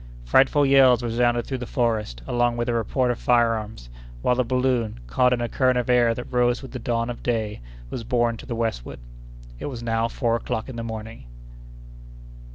Frightful yells resounded through the forest, along with the report of fire arms, while the balloon, caught in a current of air that rose with the dawn of day, was borne to the westward. It was now four o'clock in the morning.